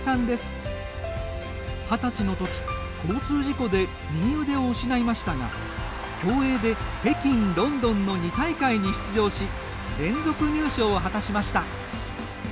二十歳のとき交通事故で右腕を失いましたが競泳で北京、ロンドンの２大会に出場し連続入賞を果たしました。